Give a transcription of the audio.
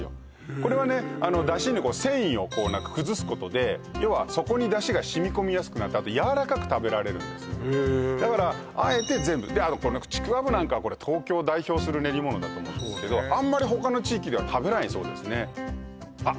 これはね出汁に繊維を崩すことでようはそこに出汁が染み込みやすくなってやわらかく食べられるだからあえて全部であとこのちくわぶなんかは東京を代表する練り物だと思うんですけどあんまり他の地域では食べないそうですねあっ